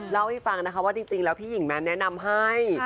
เล่าให้ฟังนะคะว่าจริงแล้วพี่หญิงแมนแนะนำให้